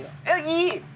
いい！